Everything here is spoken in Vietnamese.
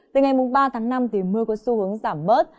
từ ngày mùng ba tháng năm thì mưa có xu hướng giảm bớt